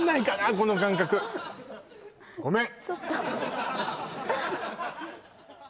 この感覚ごめん！